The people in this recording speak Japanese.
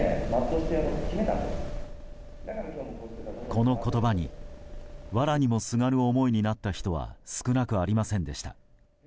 この言葉に、わらにもすがる思いになった人は少なくありませんでした。